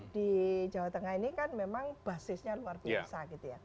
di jawa tengah ini kan memang basisnya luar biasa